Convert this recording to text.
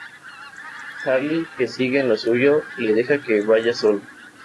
Charlie, que sigue en lo suyo le deja que vaya solo.